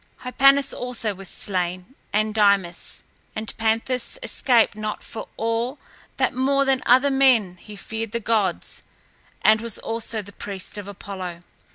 Hypanis also was slain and Dymas, and Panthus escaped not for all that more than other men he feared the gods and was also the priest of Apollo.